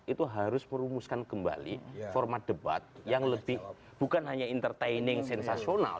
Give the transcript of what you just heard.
itu harus merumuskan kembali format debat yang lebih bukan hanya entertaining sensasional